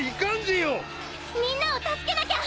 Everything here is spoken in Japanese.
みんなを助けなきゃ！